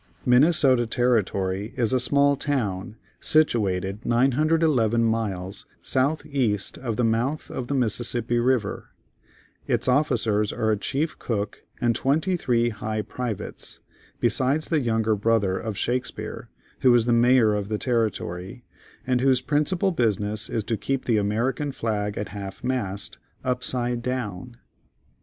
Minnesota Territory is a small town situated 911 miles south east of the mouth of the Mississippi River—its officers are a chief cook and 23 high privates, besides the younger brother of Shakspeare, who is the Mayor of the Territory, and whose principal business it is to keep the American flag at half mast, upside down.